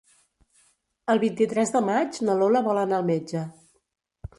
El vint-i-tres de maig na Lola vol anar al metge.